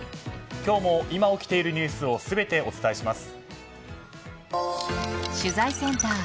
今日も今起きているニュースを全てお伝えします。